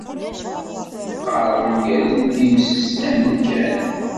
Qqareɣ ungalen n yemsestanen kan.